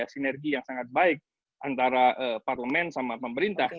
sinergi yang sangat baik antara parlemen sama pemerintah